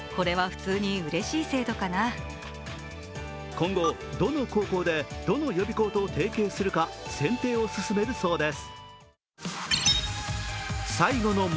今後、どの高校でどの予備校と提携するか選定を進めるそうです。